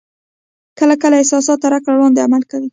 کله کله احساس تر عقل وړاندې عمل کوي.